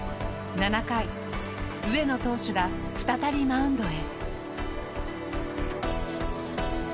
７回上野投手が再びマウンドへ。